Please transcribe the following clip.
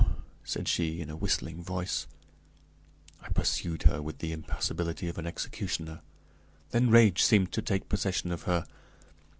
said she, in a whistling voice. I pursued her with the impassability of an executioner. Then rage seemed to take possession of her.